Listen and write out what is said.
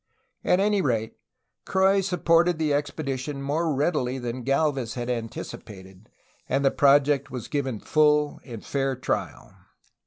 At any rate, Croix supported the expedition more readily than Gdlvez had anticipated, and the project was given full and fair trial.